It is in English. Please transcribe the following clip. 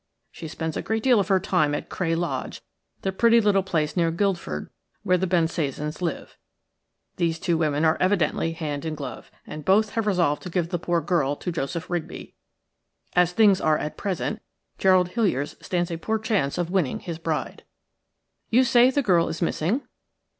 She spends a great deal of her time at Cray Lodge, the pretty little place near Guildford where the Bensasans live. These two women are evidently hand in glove, and both have resolved to give the poor girl to Joseph Rigby; as things are at present Gerald Hiliers stands a poor chance of winning his bride." "You say the girl is missing?"